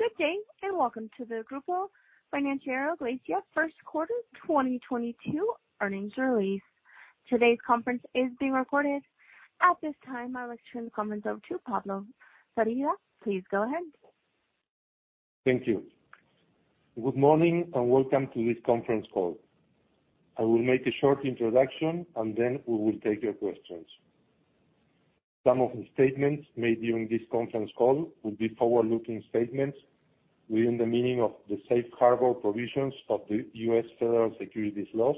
Good day, and welcome to the Grupo Financiero Galicia Q1 2022 Earnings Release. Today's conference is being recorded. At this time, I would like to turn the comment over to Pablo Firvida. Please go ahead. Thank you. Good morning, and welcome to this Conference Call. I will make a short introduction, and then we will take your questions. Some of the statements made during this Conference Call will be forward-looking statements within the meaning of the safe harbor provisions of the US Federal Securities laws,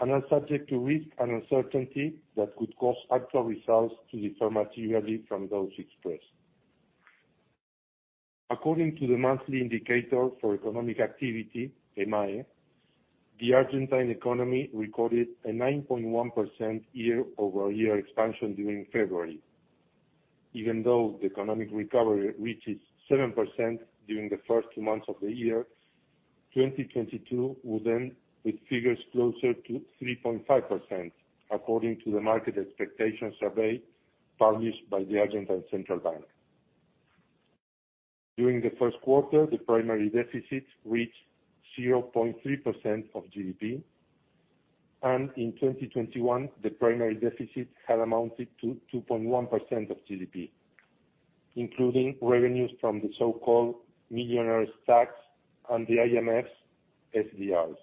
and are subject to risk and uncertainty that could cause actual results to differ materially from those expressed. According to the Monthly Indicator for Economic Activity, EMAE, the Argentine economy recorded a 9.1% year-over-year expansion during February. Even though the economic recovery reaches 7% during the first two months of the year, 2022 will end with figures closer to 3.5% according to the market expectation survey published by the Argentine Central Bank. During Q1, the primary deficit reached 0.3% of GDP, and in 2021, the primary deficit amounted to 2.1% of GDP, including revenues from the so-called Millionaire's Tax and the IMF's SDRs.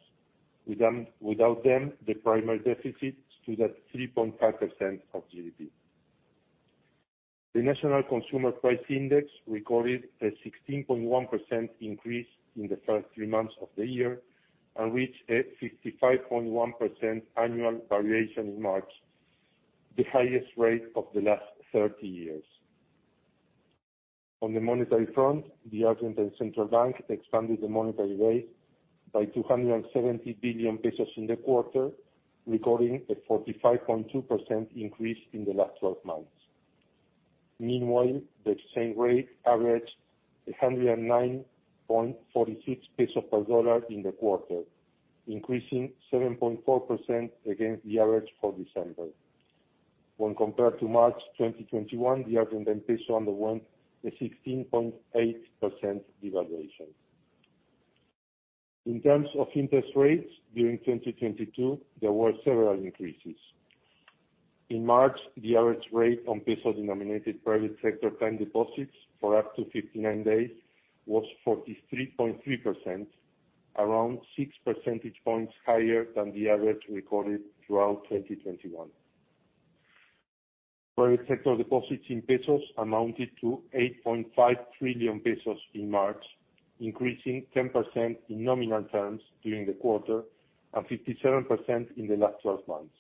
Without them, the primary deficit stood at 3.5% of GDP. The National Consumer Price Index recorded a 16.1% increase in the first three months of the year, and reached a 55.1% annual variation in March, the highest rate of the last 30 years. On the monetary front, the Argentine Central Bank expanded the monetary base by 270 billion pesos in the quarter, recording a 45.2% increase in the last 12 months. Meanwhile, the exchange rate averaged 109.46 pesos per dollar in the quarter, increasing 7.4% against the average for December. When compared to March 2021, the Argentine peso underwent a 16.8% devaluation. In terms of interest rates during 2022, there were several increases. In March, the average rate on peso-denominated private sector time deposits for up to 59 days was 43.3%, around six percentage points higher than the average recorded throughout 2021. Private sector deposits in pesos amounted to 8.5 trillion pesos in March, increasing 10% in nominal terms during the quarter, and 57% in the last twelve months.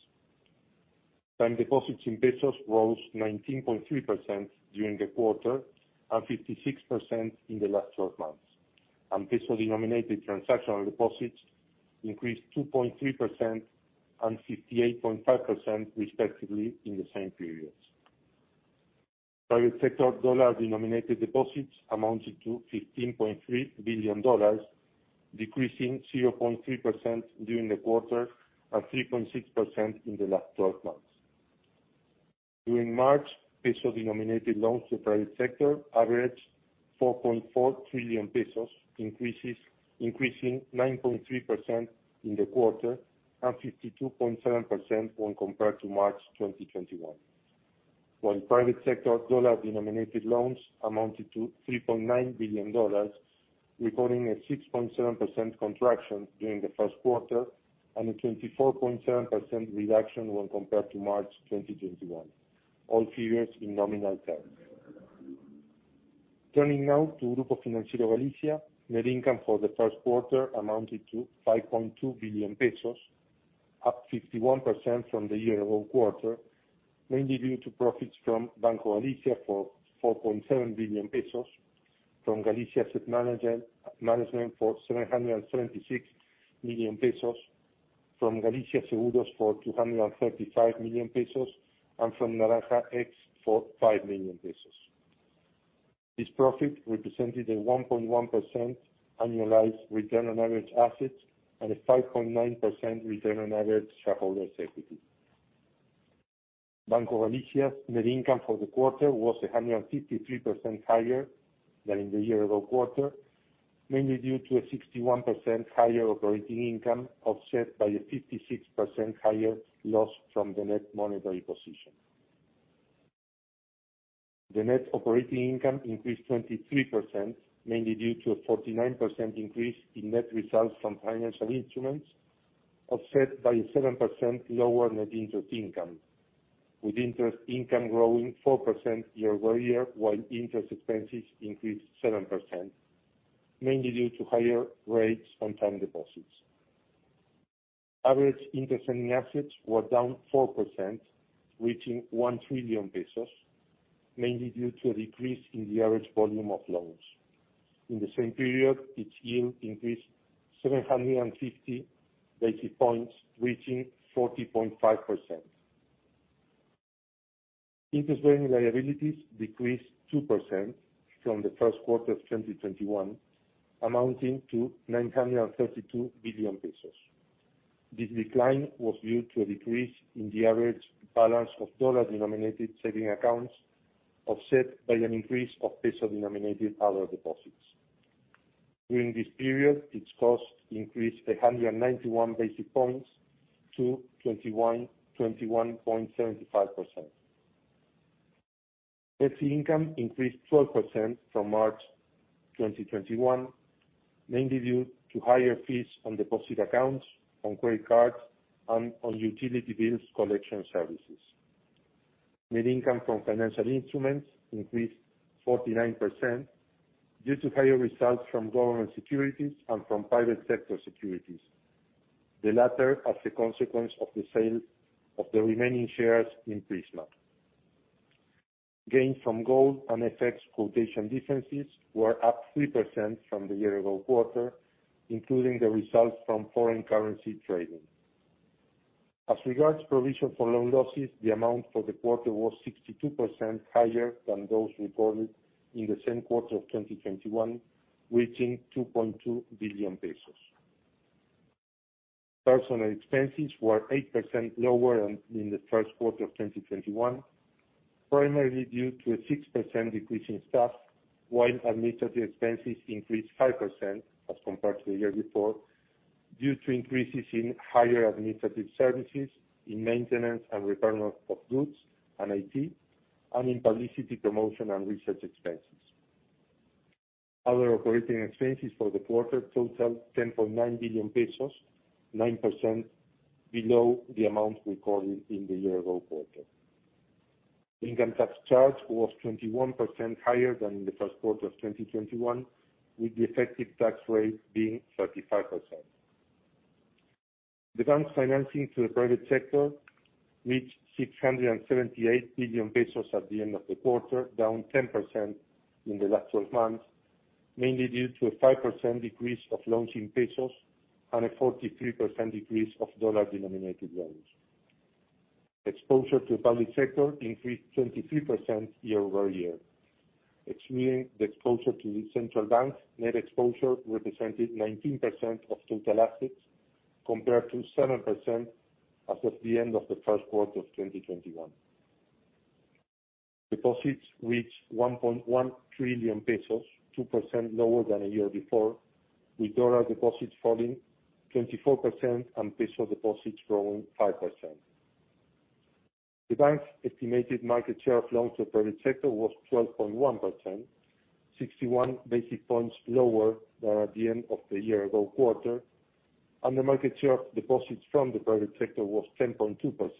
Time deposits in pesos rose 19.3% during the quarter, and 56% in the last twelve months. Peso-denominated transactional deposits increased 2.3% and 58.5%, respectively in the same periods. Private sector dollar-denominated deposits amounted to $15.3 billion, decreasing 0.3% during the quarter, and 3.6% in the last twelve months. During March, peso-denominated loans to the private sector averaged 4.4 trillion pesos, increasing 9.3% in the quarter, and 52.7% when compared to March 2021. While private sector dollar-denominated loans amounted to $3.9 billion, recording a 6.7% contraction during Q1, and a 24.7% reduction when compared to March 2021, all figures are in nominal terms. Turning now to Grupo Financiero Galicia. Net income for Q1 amounted to 5.2 billion pesos, up 51% from the year ago quarter, mainly due to profits from Banco Galicia for 4.7 billion pesos, from Galicia Asset Management for 776 million pesos, from Galicia Seguros for 235 million pesos, and from Naranja X for 5 million pesos. This profit represented a 1.1% annualized return on average assets, and a 5.9% return on average shareholder's equity. Banco Galicia's net income for the quarter was 153% higher than in the year ago quarter, mainly due to a 61% higher operating income, offset by a 56% higher loss from the net monetary position. The net operating income increased 23%, mainly due to a 49% increase in net results from financial instruments, offset by 7% lower net interest income, with interest income growing 4% year-over-year, while interest expenses increased 7%, mainly due to higher rates on time deposits. Average interest-earning assets were down 4%, reaching 1 trillion pesos, mainly due to a decrease in the average volume of loans. In the same period, its yield increased 750 basis points, reaching 40.5%. Interest-bearing liabilities decreased 2% from Q1 2021, amounting to 932 billion pesos. This decline was due to a decrease in the average balance of dollar-denominated savings accounts, offset by an increase of peso-denominated other deposits. During this period, its cost increased 191 basis points to 21.75%. Fee income increased 12% from March 2021, mainly due to higher fees on deposit accounts, on credit cards, and on utility bills collection services. Net income from financial instruments increased 49% due to higher results from government securities and from private sector securities, the latter as a consequence of the sale of the remaining shares in Prisma. Gains from gold and effects quotation differences were up 3% from the year ago quarter, including the results from foreign currency trading. As regards provision for loan losses, the amount for the quarter was 62% higher than that recorded in the same quarter of 2021, reaching ARS 2.2 billion. Personnel expenses were 8% lower than in Q1 2021, primarily due to a 6% decrease in staff, while administrative expenses increased 5% as compared to the year before, due to increases in higher administrative services, in maintenance and repair of goods and IT, and in publicity promotion and research expenses. Other operating expenses for the quarter totaled 10.9 billion pesos, 9% below the amount recorded in the year-ago quarter. The ,Income tax charge was 21% higher than in Q1 2021, with the effective tax rate being 35%. The bank's financing to the private sector reached 678 billion pesos at the end of the quarter, down 10% in the last 12 months, mainly due to a 5% decrease in loans in pesos and a 43% decrease of dollar-denominated loans. Exposure to the public sector increased 23% year-over-year. Excluding the exposure to central banks, net exposure represented 19% of total assets, compared to 7% as of the end of Q1 2021. Deposits reached 1.1 trillion pesos, 2% lower than a year before, with dollar deposits falling 24% and peso deposits growing 5%. The bank's estimated market share of loans to the private sector was 12.1%, 61 basis points lower than at the end of the year-ago quarter. The market share of deposits from the private sector was 10.2%,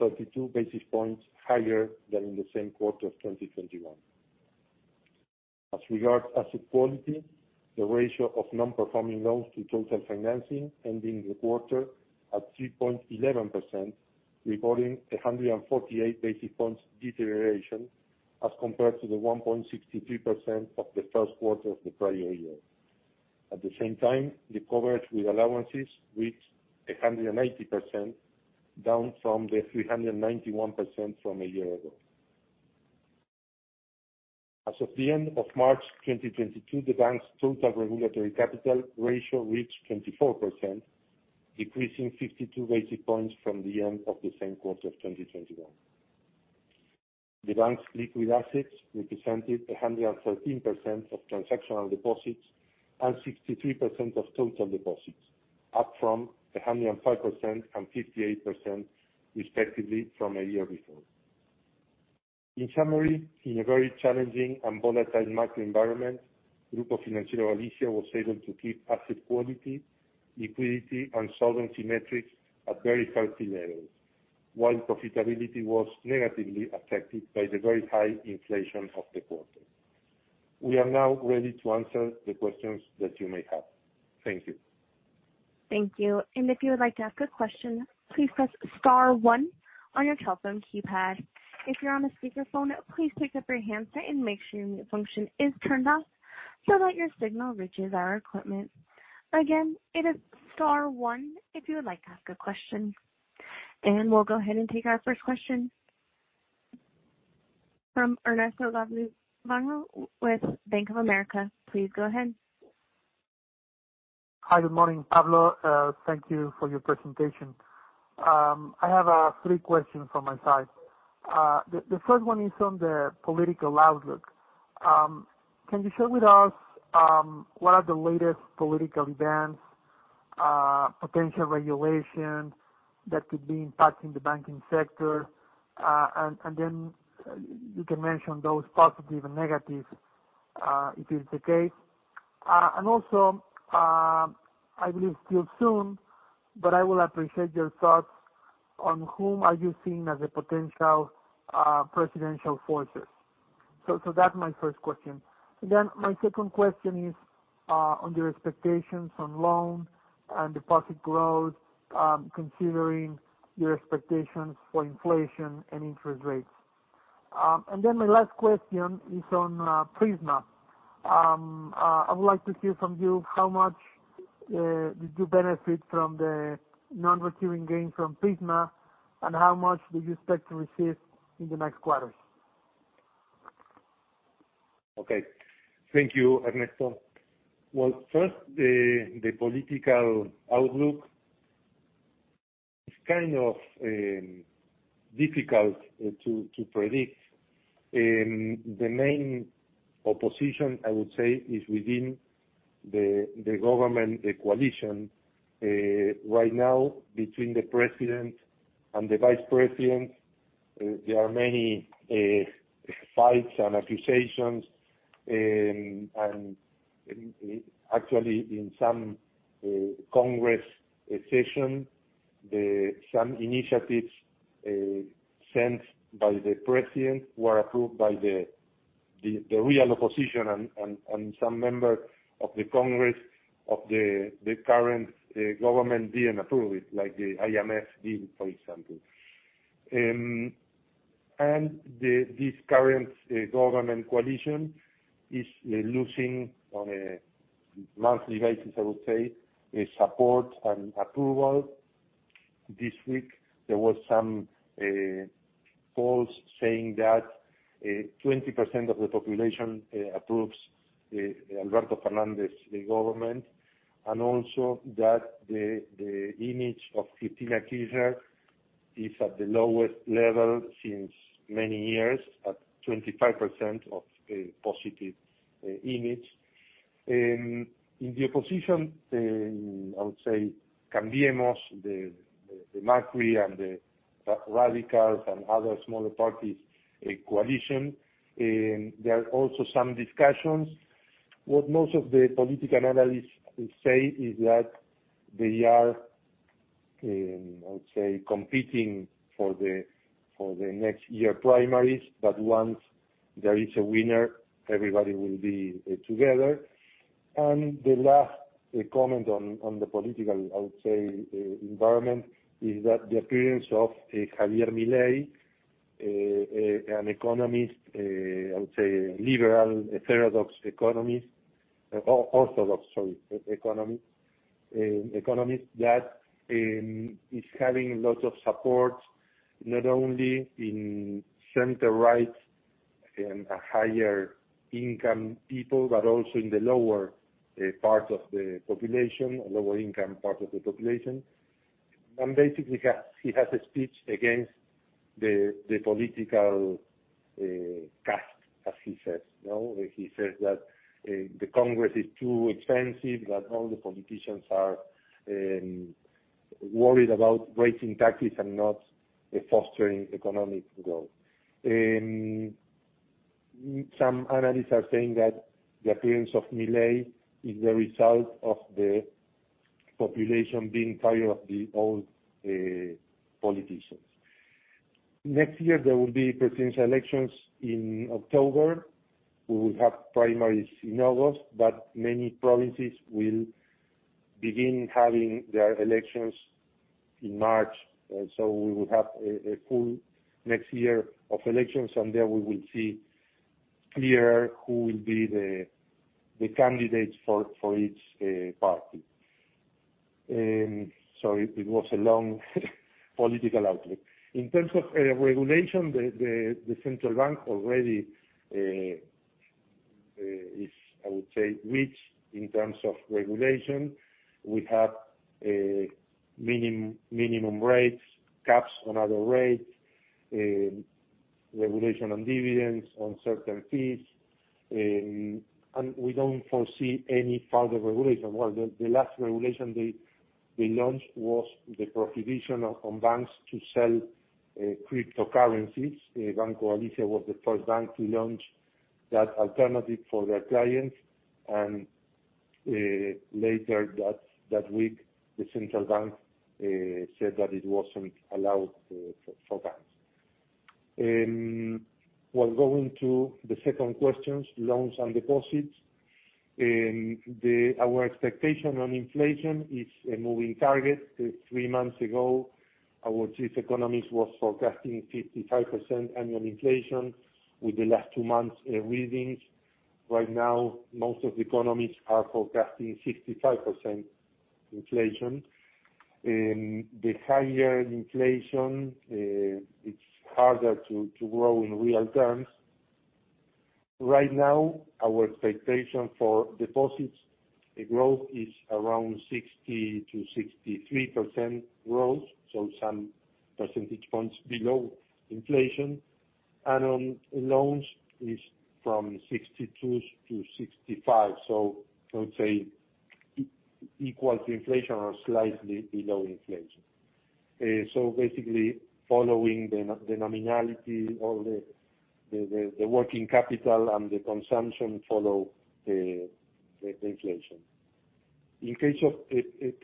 32 basis points higher than in the same quarter of 2021. As regards asset quality, the ratio of non-performing loans to total financing ended the quarter at 3.11%, recording 148 basis points deterioration as compared to the 1.63% of Q1 of the prior year. At the same time, the coverage with allowances reached 180%, down from the 391% from a year ago. As of the end of March 2022, the bank's total regulatory capital ratio reached 24%, decreasing 52 basis points from the end of the same quarter of 2021. The bank's liquid assets represented 113% of transactional deposits and 63% of total deposits, up from 105% and 58% respectively from a year before. In summary, in a very challenging and volatile macro environment, Grupo Financiero Galicia was able to keep asset quality, liquidity, and solvency metrics at very healthy levels, while profitability was negatively affected by the very high inflation of the quarter. We are now ready to answer the questions that you may have. Thank you. Thank you. If you would like to ask a question, please press star one on your telephone keypad. If you're on a speakerphone, please pick up your handset and make sure mute function is turned off so that your signal reaches our equipment. Again, it is star one if you would like to ask a question. We'll go ahead and take our first question. From Ernesto Gabilondo with Bank of America. Please go ahead. Hi. Good morning, Pablo. Thank you for your presentation. I have three questions from my side. The first one is on the political outlook. Can you share with us what are the latest political events, potential regulations that could be impacting the banking sector? You can mention those positive and negatives, if it is the case. I believe it's still soon, but I will appreciate your thoughts on whom are you seeing as the potential presidential forces. That's my first question. My second question is on your expectations on loan and deposit growth, considering your expectations for inflation and interest rates. My last question is on Prisma. I would like to hear from you how much did you benefit from the non-recurring gain from Prisma, and how much do you expect to receive in the next quarters? Okay. Thank you, Ernesto. Well, first, the political outlook is kind of difficult to predict. The main opposition, I would say, is within the government, the coalition. Right now, between the president and the vice president, there are many fights and accusations. Actually in some congress session, some initiatives sent by the president were approved by the real opposition and some member of the congress of the current government didn't approve it, like the IMF deal, for example. This current government coalition is losing on a monthly basis, I would say, support and approval. This week, there was some polls saying that 20% of the population approves Alberto Fernández, the government, and also that the image of Cristina Kirchner is at the lowest level since many years, at 25% positive image. In the opposition, I would say Cambiemos, the Macri and the Radicals and other smaller parties, a coalition, there are also some discussions. What most of the political analysts say is that they are, I would say, competing for the next year primaries, but once there is a winner, everybody will be together. The last comment on the political, I would say, environment is that the appearance of Javier Milei, an economist, I would say, a liberal, orthodox economist, who is having lots of support, not only in center-right and higher-income people, but also in the lower part of the population, the lower- income part of the population. Basically, he has a speech against the political caste, as he says. You know? He says that Congress is too expensive, that all the politicians are worried about raising taxes and not fostering economic growth. Some analysts are saying that the appearance of Milei is the result of the population being tired of the old politicians. Next year, there will be presidential elections in October. We will have primaries in August, but many provinces will begin having their elections in March. We will have a full next year of elections, and there we will see more clearly who will be the candidates for each party. Sorry, it was a long political outlook. In terms of regulation, the Central Bank already is, I would say, rich in terms of regulation. We have minimum rates, caps on other rates, regulations on dividends on certain fees, and we don't foresee any further regulation. Well, the last regulation they launched was the prohibition on banks from selling cryptocurrencies. Banco Galicia was the first bank to launch this alternative for their clients. Later that week, the Central Bank said that it wasn't allowed for banks. Going to the second question, loans and deposits. Our expectation on inflation is a moving target. Three months ago, our chief economist was forecasting 55% annual inflation. With the last two months' readings, right now, most of the economists are forecasting 65% inflation. With higher inflation, it's harder to grow in real terms. Right now, our expectation for deposit growth is around 60%-63% growth, so some percentage points below inflation. On loans is from 62%-65%. I would say it equals inflation or slightly below inflation. Basically, following the nominality or the working capital, the consumption follows the inflation. In the case of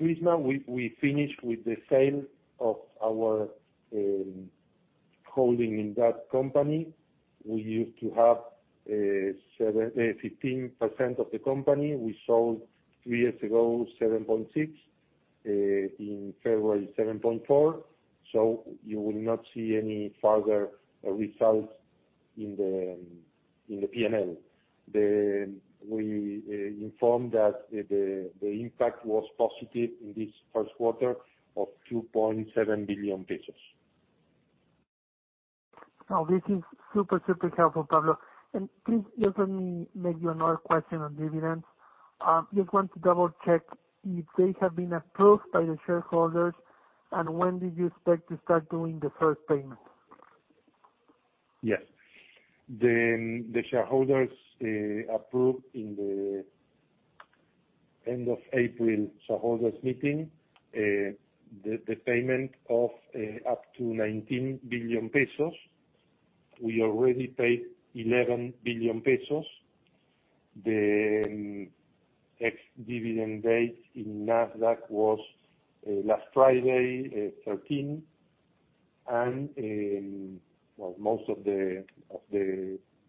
Prisma, we finished with the sale of our holding in that company. We used to have 15% of the company. We sold three years ago, 7.6%. In February, 7.4%. You will not see any further results in the Profit and Loss. They informed that the impact was positive in Q1 of 2.7 billion pesos. Now this is super helpful, Pablo. Please, just let me ask you another question on dividends. Just want to double-check if they have been approved by the shareholders, and when they expect to start making the first payment? Yes. The shareholders approved at the end of the April shareholders meeting the payment of up to 19 billion pesos. We already paid 11 billion pesos. The ex-dividend on in Nasdaq was last Friday, 13. Most of the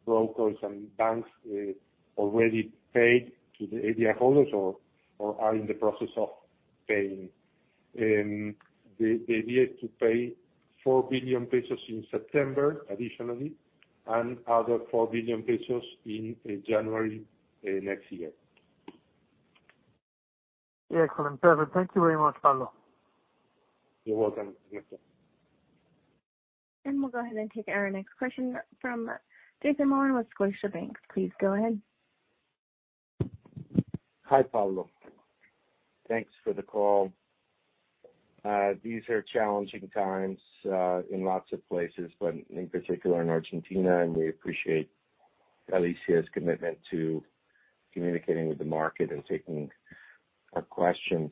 brokers and banks have already paid the shareholders or are in the process of paying. The idea is to pay 4 billion pesos in September, additionally, and another four billion pesos in January next year. Excellent. Perfect. Thank you very much, Pablo. You're welcome, Ernesto. We'll go ahead and take our next question from Jason Mollin with Scotiabank. Please go ahead. Hi, Pablo. Thanks for the call. These are challenging times in lots of places, but in particular in Argentina, and we appreciate Galicia's commitment to communicating with the market and taking our questions.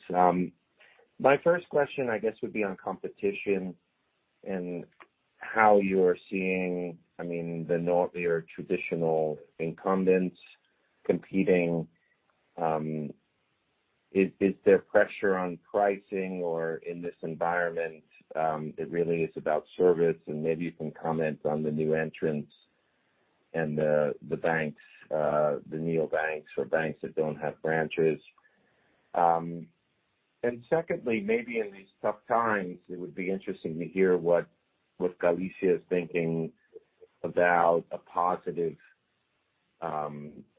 My first question, I guess, would be on competition and how you're seeing, I mean, your traditional incumbents competing. Is there pressure on pricing, or in this environment, is it really about service? Maybe you can comment on the new entrants and the banks, the neobanks, or banks that don't have branches. Secondly, maybe in these tough times, it would be interesting to hear what Galicia is thinking about a positive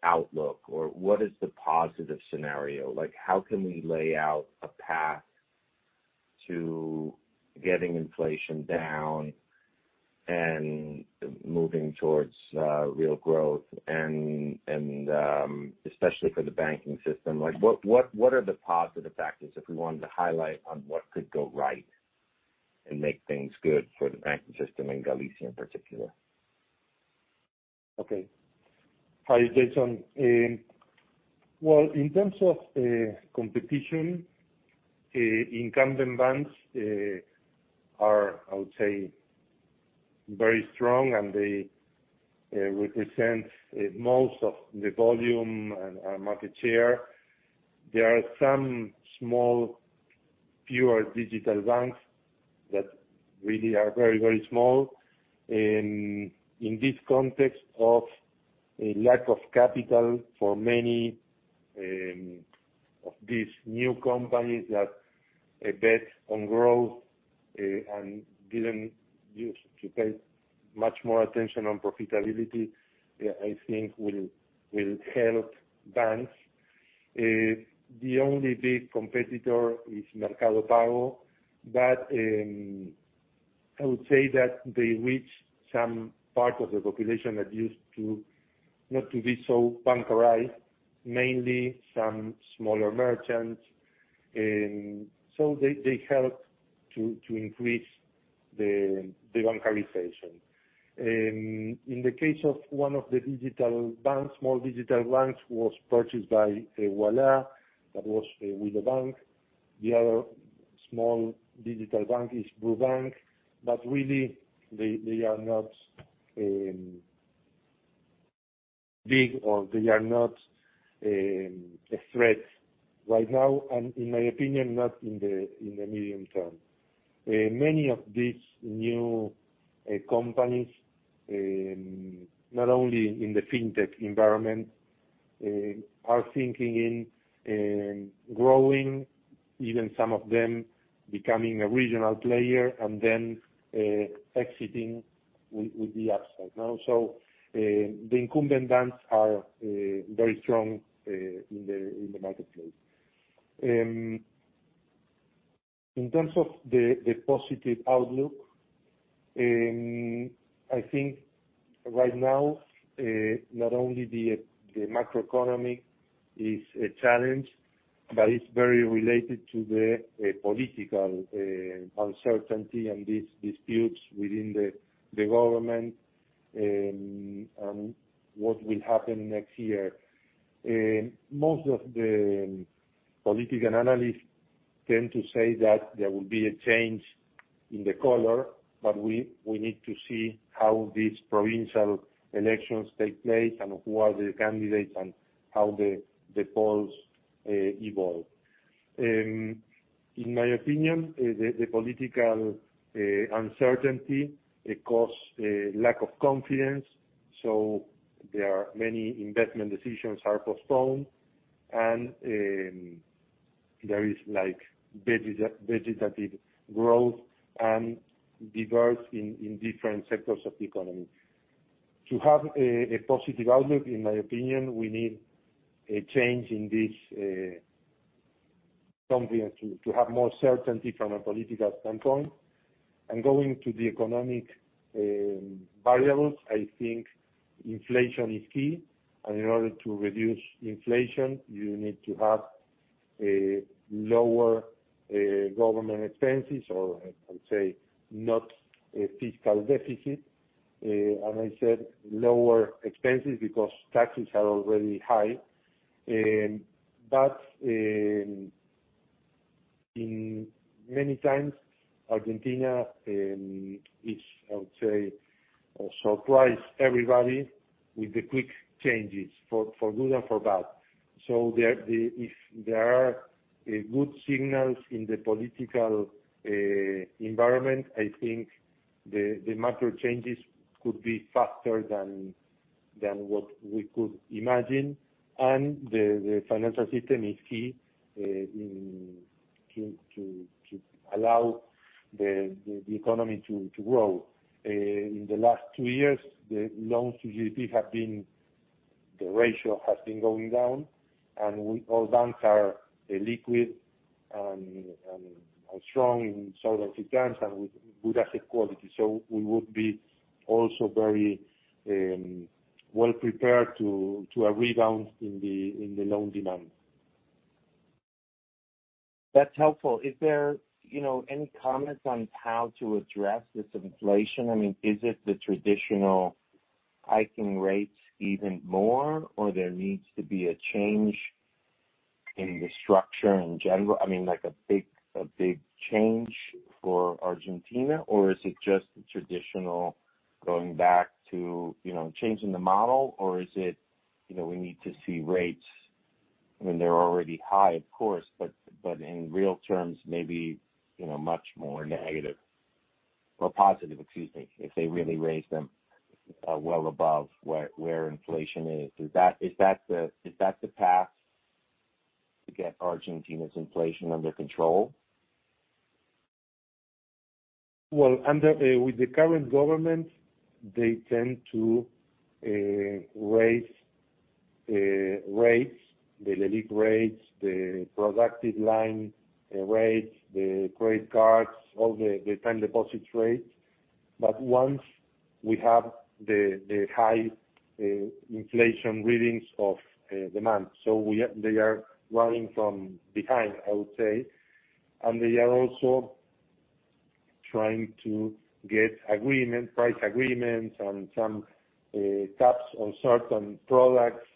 outlook, or what is the positive scenario? Like, how can we lay out a path to getting inflation down and moving towards real growth, especially for the banking system? Like, what are the positive factors if we wanted to highlight on what could go right and make things good for the banking system in Galicia in particular? Okay. Hi, Jason Mollin. Well, in terms of competition, incumbent banks are, I would say, very strong, and they represent most of the volume and our market share. There are some small, fewer digital banks that really are very, very small. In this context of a lack of capital for many of these new companies that bet on growth and didn't pay much more attention to profitability, I think it will help banks. The only big competitor is Mercado Pago, but I would say that they reach some part of the population that used to not be so bancarized, mainly some smaller merchants. So they help to increase the bancarization. In the case of one of the small digital banks, it was purchased by Ualá, which was Wilobank. The other small digital bank is Brubank, but really they are not big, or they are not a threat right now, and in my opinion, not in the medium term. Many of these new companies, not only in the fintech environment, are thinking in growing, even some of them becoming a regional player and then exiting with the upside now. The incumbent banks are very strong in the marketplace. In terms of the positive outlook, I think right now, not only is the macroeconomy a challenge, but it's very related to the political uncertainty and these disputes within the government on what will happen next year. Most of the political analysts tend to say that there will be a change in the color, but we need to see how these provincial elections take place, who the candidates are, and how the polls evolve. In my opinion, the political uncertainty causes a lack of confidence, so there are many investment decisions are postponed. There is a vegetative growth and diversification in different sectors of the economy. To have a positive outlook, in my opinion, we need a change in this something to have more certainty from a political standpoint. Going to the economic variables, I think inflation is key. In order to reduce inflation, you need to have lower government expenses, or I would say not a fiscal deficit. I said lower expenses because taxes are already high. In many times, Argentina is, I would say, surprise everybody with the quick changes for good and for bad. If there are good signals in the political environment, I think the macro changes could be faster than we could imagine. The financial system is key to allow the economy to grow. In the last two years, the ratio has been going down and all banks are liquid and strong in solvency terms and with good asset quality. We would also be very well prepared to a rebound in the loan demand. That's helpful. Is there, you know, any comments on how to address this inflation? I mean, are the traditional hiking rates even more, or is there needs to be a change in the structure in general? I mean, like a big change for Argentina, or is it just the traditional going back to, you know, changing the model? Or is it, you know, we need to see rates. I mean, they're already high, of course, but in real terms, maybe, you know, much more negative or positive, excuse me, if they really raise them well above where inflation is. Is that the path to get Argentina's inflation under control? Well, with the current government, they tend to raise rates, the LELIQ rates, the productive line rates, the credit card rates, all the time deposit rates. Once we have the high inflation readings of demand, they are running behind, I would say. They are also trying to get price agreements on some caps on certain products.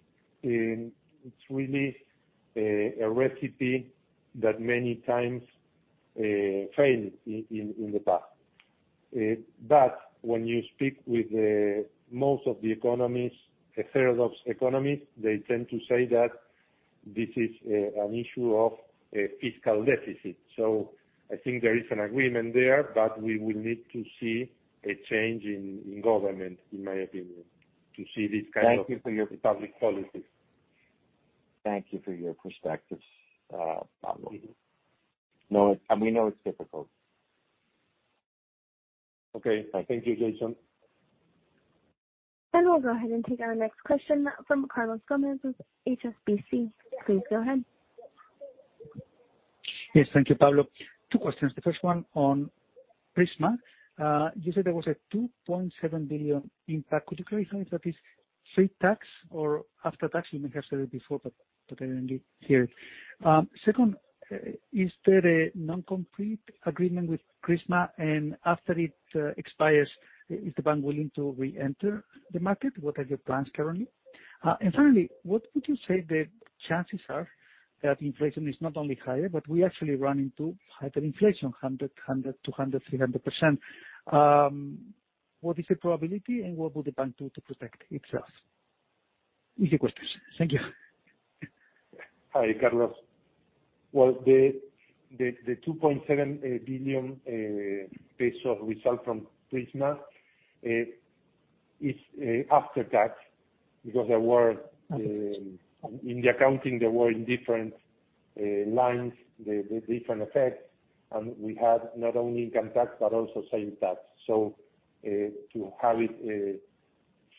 It's really a recipe that has failed many times in the past. When you speak with most of the economists, a third of economists, they tend to say that this is an issue of a fiscal deficit. I think there is an agreement there, but we will need to see a change in government, in my opinion. Thank you for your. Public policies. Thank you for your perspectives, Pablo. Mm-hmm. No, we know it's difficult. Okay. Thank you, Jason. We'll go ahead and take our next question from Carlos Gomez-Lopez with HSBC. Please go ahead. Yes, thank you, Pablo. Two questions. The first one on Prisma. You said there was a 2.7 billion impact. Could you clarify if that is pre-tax or after-tax? You may have said it before, but I didn't hear it. Second, is there a non-compete agreement with Prisma? And after it expires, is the bank willing to reenter the market? What are your plans currently? And finally, what would you say the chances are that inflation is not only higher, but we actually run into hyperinflation, 100, 200, 300%? What is the probability and what would the bank do to protect itself? Easy questions. Thank you. Hi, Carlos. Well, the 2.7 billion pesos result from Prisma is after tax, because there were. Okay. In the accounting, there were in different lines, the different effects. We had not only income tax, but also sales tax. To have it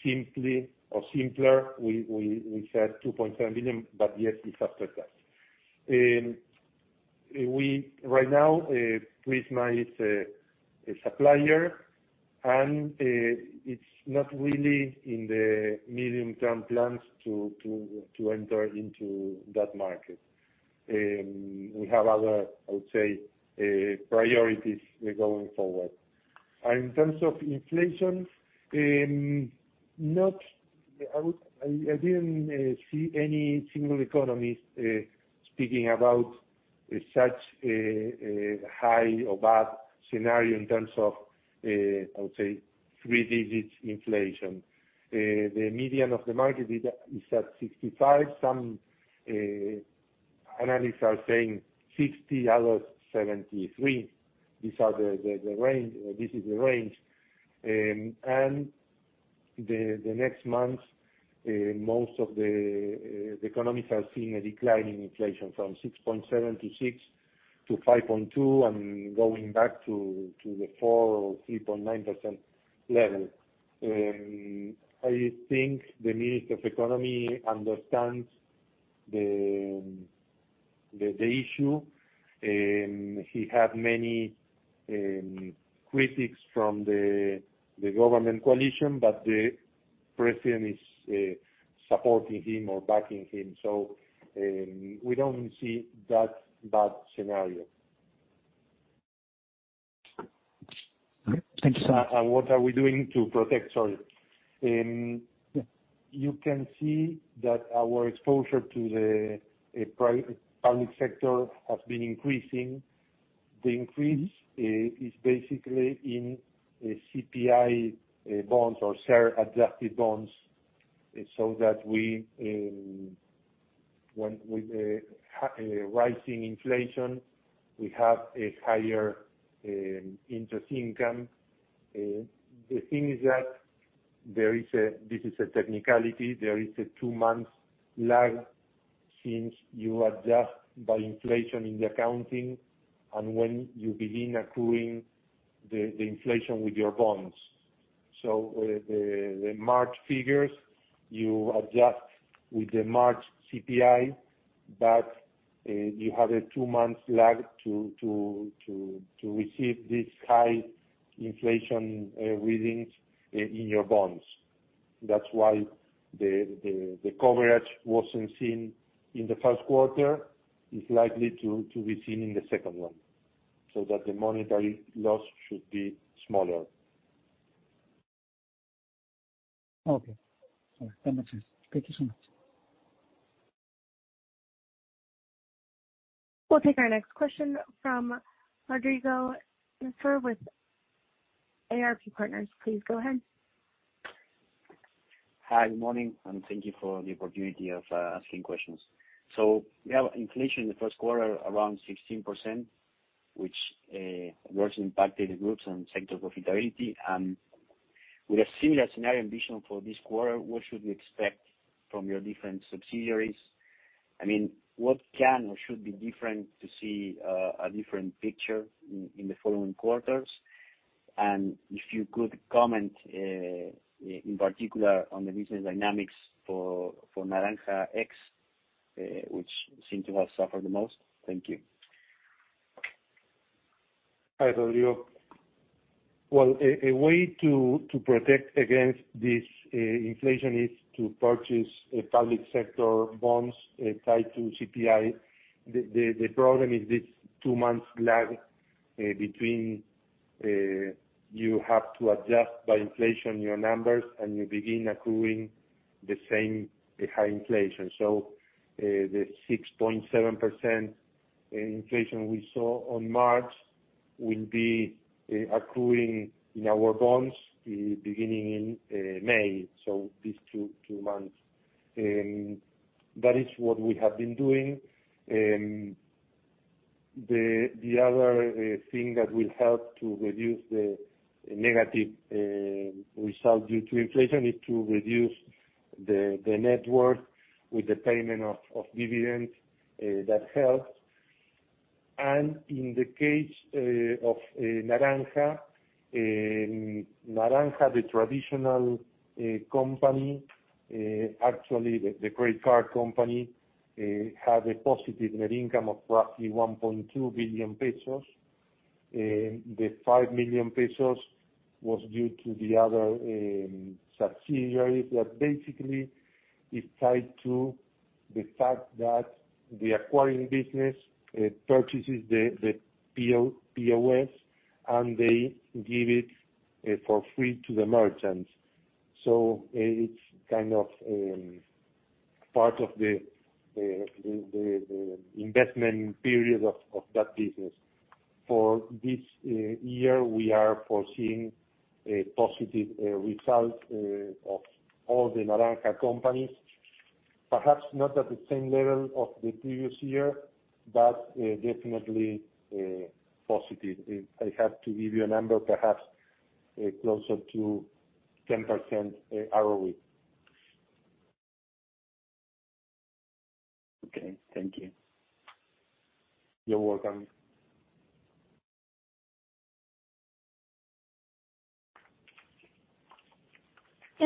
simply or simpler, we said 2.7 billion, but yes, it's after tax. Right now, Prisma is a supplier, and it's not really in the medium-term plans to enter into that market. We have other, I would say, priorities going forward. In terms of inflation, I didn't see any single economist speaking about such a high or bad scenario in terms of three digits inflation. The median of the market is at 65%. Some analysts are saying 60%, others 73%. This is the range. The next months, most of the economies have seen a declining inflation from 6.7% to 6% to 5.2%, and going back to the 4% or 3.9% level. I think the Minister of Economy understands the issue. He had many critics from the government coalition, but the president is supporting him or backing him. We don't see that bad scenario. Okay. Thank you so much. What are we doing to protect? Sorry. You can see that our exposure to the public sector has been increasing. The increase is basically in CPI bonds or CER adjusted bonds, so that with a rising inflation, we have a higher interest income. The thing is that this is a technicality. There is a two-month lag since you adjust by inflation in the accounting and when you begin accruing the inflation with your bonds. So the March figures, you adjust with the March CPI, but you have a two-month lag to receive this high inflation readings in your bonds. That's why the coverage wasn't seen in Q1. It's likely to be seen in the second one, so that the monetary loss should be smaller. Okay. All right. That makes sense. Thank you so much. We'll take our next question from Rodrigo with AR Partners. Please go ahead. Hi. Good morning, and thank you for the opportunity of asking questions. We have inflation in Q1 around 16%, which adversely impacted the groups and sector profitability. With a similar scenario assuming for this quarter, what should we expect from your different subsidiaries? I mean, what can or should be different to see a different picture in the following quarters? If you could comment in particular on the business dynamics for Naranja X, which seem to have suffered the most. Thank you. Hi, Rodrigo. Well, a way to protect against this inflation is to purchase public sector bonds tied to CPI. The problem is this two-month lag between you have to adjust by inflation your numbers and you begin accruing the same high inflation. The 6.7% inflation we saw in March will be accruing in our bonds beginning in May, so these two months. That is what we have been doing. The other thing that will help to reduce the negative result due to inflation is to reduce the net worth with the payment of dividends. That helps. In the case of Naranja, the traditional company, actually the credit card company, had a positive net income of roughly 1.2 billion pesos. The five million pesos was due to the other subsidiaries that basically is tied to the fact that the acquiring business purchases the POS and they give it for free to the merchants. It's kind of part of the investment period of that business. For this year, we are foreseeing a positive result of all the Naranja companies, perhaps not at the same level of the previous year, but definitely positive. If I have to give you a number, perhaps closer to 10% ROE. Okay. Thank you. You're welcome.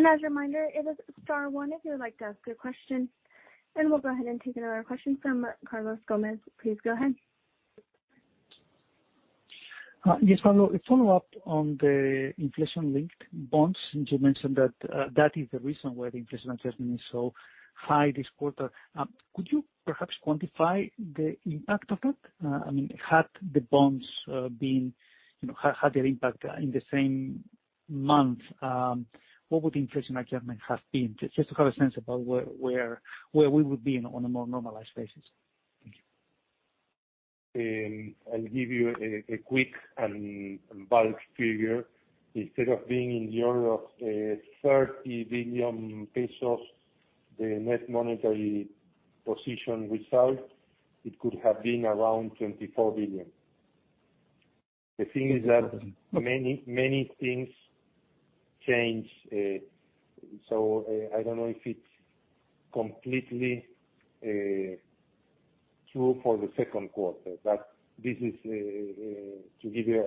As a reminder, it is star one if you would like to ask a question. We'll go ahead and take another question from Carlos Gomez-Lopez. Please go ahead. Yes, Pablo. A follow-up on the inflation-linked bonds. Since you mentioned that is the reason why the interest adjustment is so high this quarter. Could you perhaps quantify the impact of that? I mean, had the bonds been, you know, had their impact in the same month, what would the interest adjustment have been? Just to have a sense about where we would be on a more normalized basis. Thank you. I'll give you a quick and bulk figure. Instead of being in the order of 30 billion pesos, the Net Monetary Position result, it could have been around 24 billion. The thing is that many things change. I don't know if it's completely true for Q2. This is to give you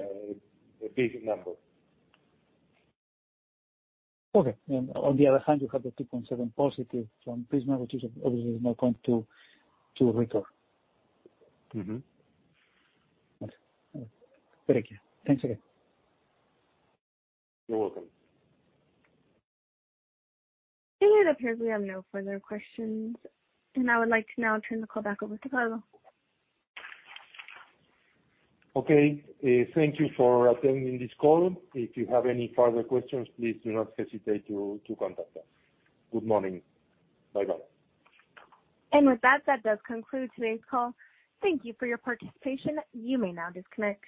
a big number. Okay. On the other hand, you have the +2.7% from Prisma, which is obviously now going to recover. Mm-hmm. Okay. All right. Very clear. Thanks again. You're welcome. It appears we have no further questions. I would like to now turn the call back over to Pablo. Okay. Thank you for attending this call. If you have any further questions, please do not hesitate to contact us. Good morning. Bye-bye. With that does conclude today's call. Thank you for your participation. You may now disconnect.